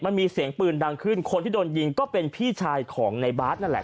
มันมีเสียงปืนดังขึ้นคนที่โดนยิงก็เป็นพี่ชายของในบาสนั่นแหละ